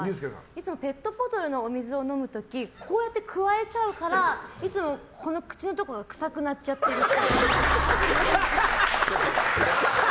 いつもペットボトルのお水を飲む時こうやってくわえちゃうからいつも口のところ臭くなっちゃってるっぽい。